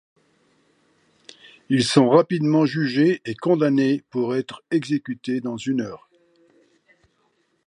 Ils sont rapidement jugés et condamnés pour être exécutés dans une heure.